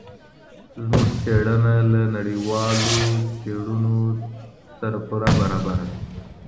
زموږ څېړنه له نړیوال څېړندود سره پوره برابره ده.